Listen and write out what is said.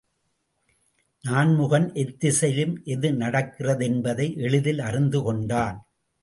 நான்முகன் எத்திசையிலும் எது நடக்கிறது என்பதை எளிதில் அறிந்து கொண்டான்.